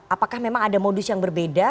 apakah memang ada modus yang berbeda